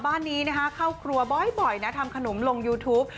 บ้านนี้เข้าครัวบ่อยนะทำขนมลงยูทูป